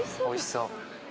おいしそう。